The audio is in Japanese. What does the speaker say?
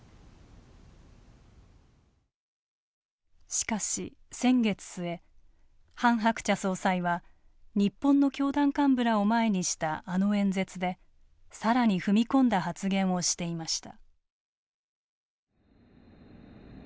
しかし先月末ハン・ハクチャ総裁は日本の教団幹部らを前にしたあの演説でさらに踏み込んだ発言をしていました。